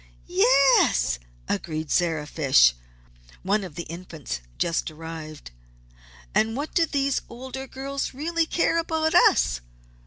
"Yes!" agreed Sarah Fish, one of the Infants just arrived. "And what do these older girls really care about us?